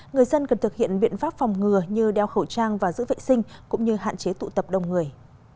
người dân cần thực hiện biện pháp phòng ngừa như đeo khẩu trang và giữ vệ sinh cũng như hạn chế tụ tập đông người